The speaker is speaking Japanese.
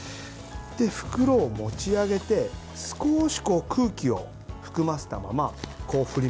袋を持ち上げて少し空気を含ませたまま振ります。